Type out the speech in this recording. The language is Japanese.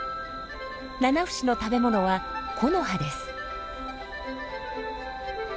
ナナフシの食べ物は木の葉です。